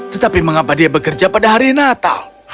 tetapi mengapa dia bekerja pada hari natal